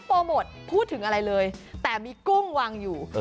โมทพูดถึงอะไรเลยแต่มีกุ้งวางอยู่